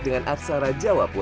dengan aksara jawa pula